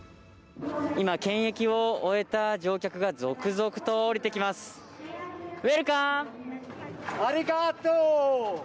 今、検疫を終えた乗客が続々と降りてきます、ウェルカム！